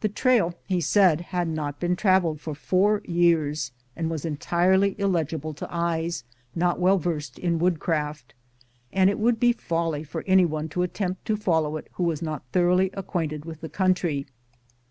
The trail, he said, had not been traveled for four years, and was entirely illegible to eyes not well versed in woodcraft, and it would be folly for any one to attempt to follow it who was not thoroughly acquainted with the country.